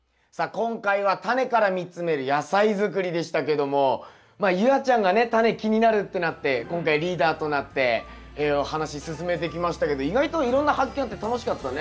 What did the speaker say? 今回は「タネから見つめる野菜づくり」でしたけどもまあ夕空ちゃんがねタネ気になるってなって今回リーダーとなってお話進めてきましたけど意外といろんな発見あって楽しかったね。